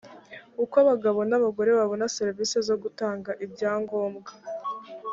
uko abagabo n abagore babona serivisi zo gutanga ibyangombwa